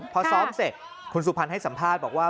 พอซ้อมเสร็จคุณสุพรรณให้สัมภาษณ์บอกว่า